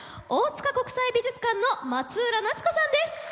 大塚国際美術館の松浦奈津子さんです！